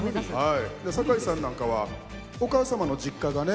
で酒井さんなんかはお母様の実家がね。